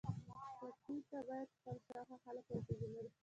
ټپي ته باید خپل شاوخوا خلک وروپیژنو.